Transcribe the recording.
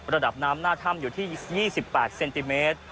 ระดับน้ำหน้าถ้ำอยู่ที่๒๘เซนติเมตร